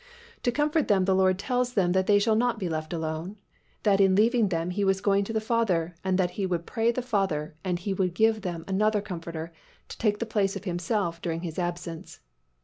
To comfort them the Lord tells them that they shall not be left alone, that in leaving them He was going to the Father and that He would pray the Father and He would give them another Comforter to take the place of Himself during His absence.